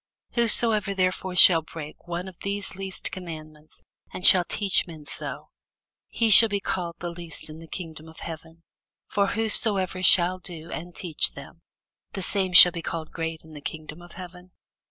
Whosoever therefore shall break one of these least commandments, and shall teach men so, he shall be called the least in the kingdom of heaven: but whosoever shall do and teach them, the same shall be called great in the kingdom of heaven.